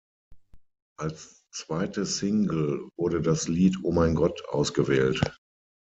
Als zweite Single wurde das Lied "Oh Mein Gott" ausgewählt.